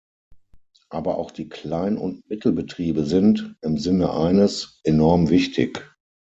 Aber auch die Klein- und Mittelbetriebe sind – im Sinne eines – enorm wichtig.